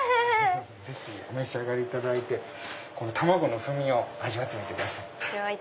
ぜひお召し上がりいただいて卵の風味を味わってみてください。